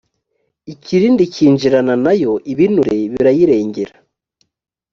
ikirindi kinjirana na yo ibinure birayirengera